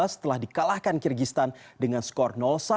setelah dikalahkan kyrgyzstan dengan skor satu